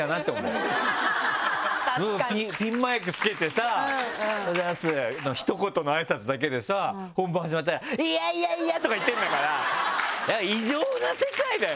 ピンマイク付けてさ「おはようございます」のひと言のあいさつだけでさ本番始まったら「いやいやいや！」とか言ってるんだから異常な世界だよ。